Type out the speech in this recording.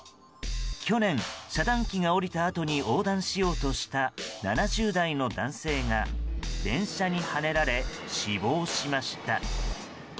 去年、遮断機が下りたあとに横断しようとした７０代の男性が電車にはねられ死亡しました。